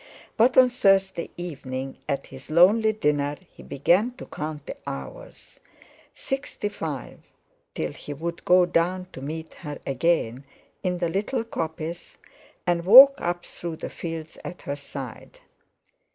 But on Thursday evening at his lonely dinner he began to count the hours; sixty five till he would go down to meet her again in the little coppice, and walk up through the fields at her side.